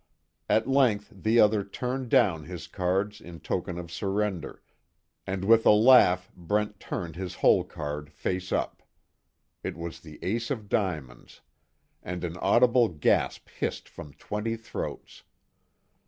At length the other turned down his cards in token of surrender, and with a laugh Brent turned his hole card face up. It was the Ace of Diamonds, and an audible gasp hissed from twenty throats.